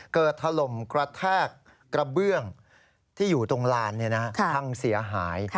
เกิดถล่มกระแทกกระเบื้องที่อยู่ตรงลานเนี่ยนะครับทั้งเสียหาย